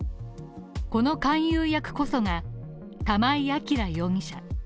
この勧誘役こそが玉井暁容疑者。